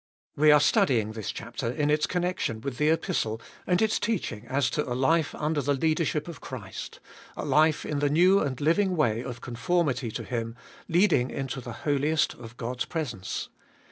We are studying this chapter in its connection with the Epistle, and its teaching as to a life under the leadership of Christ — a life in the new and living way of conformity to Him, leading into the Holiest of God's presence.